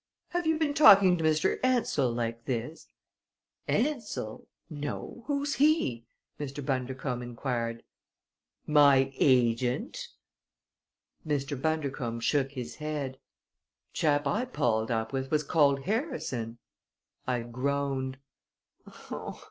"Have you been talking to Mr. Ansell like this?" "Ansell? No! Who's he?" Mr. Bundercombe inquired. "My agent." Mr. Bundercombe shook his head. "Chap I palled up with was called Harrison." I groaned.